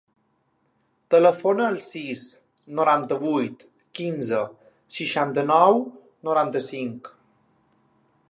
Telefona al sis, noranta-vuit, quinze, seixanta-nou, noranta-cinc.